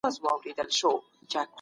ثابت حق د الله لخوا ټاکل سوی.